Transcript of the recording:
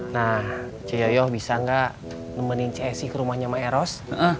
nah cee yoyoh bisa gak nemenin cee esi ke rumahnya maeros